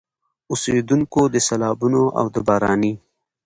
اوسېدونکي د سيلابونو او د باراني